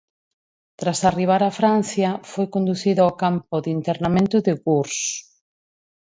Tras arribar a Francia foi conducido ao campo de internamento de Gurs.